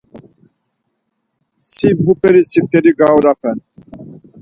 Si muperi sifteri gaoropen?